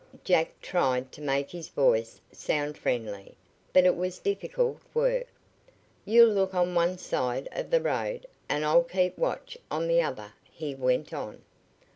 Jack tried to make his voice sound friendly, but it was difficult work. "You'll look on one side of the road, and I'll keep watch on the other," he went on.